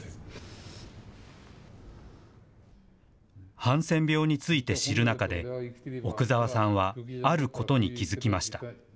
ハンセン病について知る中で、奥澤さんはあることに気付きました。